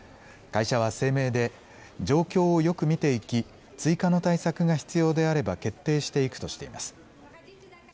会社は声明で状況をよく見ていき追加の対策が必要であれば決定していくとしています。